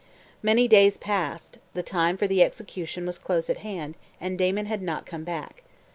Many days passed, the time for the execution was close at hand, and Damon had not come back.